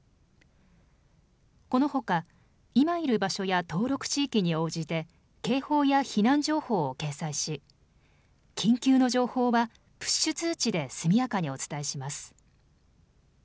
このほか、今いる場所や登録地域に応じて、警報や避難情報を掲載し、緊急の情報はプッシュ通知で速やかにお伝えします。